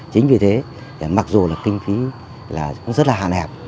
chính vì thế mặc dù là kinh phí là rất là hạn hẹp